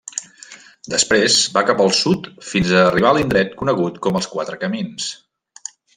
Després va cap al sud fins a arribar a l'indret conegut com els Quatre camins.